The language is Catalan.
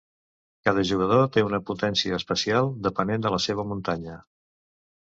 Cada jugador té una potència especial, depenent de la seva muntanya.